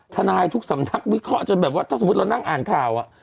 ทนายทุกสำนักวิเคราะห์จนแบบว่าถ้าสมมุติเรานั่งอ่านข่าว